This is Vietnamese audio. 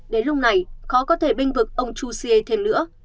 đến lúc này khó có thể binh vực ông chusea thêm nữa